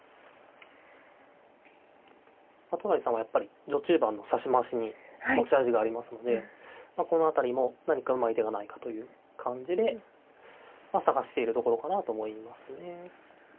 都成さんはやっぱり序中盤の指し回しに持ち味がありますのでこの辺りも何かうまい手がないかという感じで探しているところかなと思いますね。